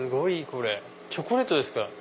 これチョコレートですか？